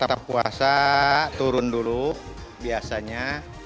tetap puasa turun dulu biasanya